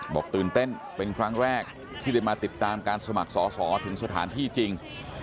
บอกตื่นเต้นเป็นครั้งแรกที่ได้มาติดตามการสมัครสอสอถึงสถานที่จริง